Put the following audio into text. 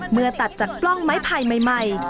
เมื่อตัดจากกล้องไม้ไผ่ใหม่